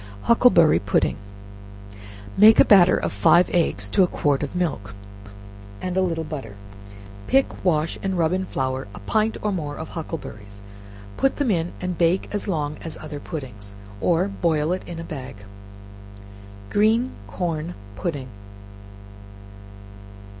Huckleberry Pudding. Make a batter of five eggs to a quart of milk, and a little butter; pick, wash, and rub in flour a pint or more of huckleberries, put them in, and bake as long as other puddings, or boil it in a bag. Green Corn Pudding.